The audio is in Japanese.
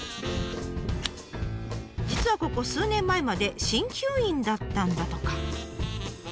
実はここ数年前まで鍼灸院だったんだとか。